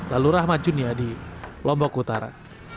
lalu rahmat juniadi lombok utara